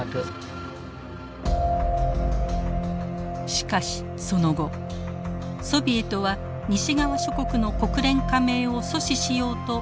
しかしその後ソビエトは西側諸国の国連加盟を阻止しようと拒否権を連発。